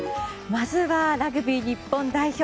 まずはラグビー日本代表